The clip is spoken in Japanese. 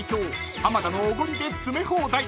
浜田のオゴリで詰め放題］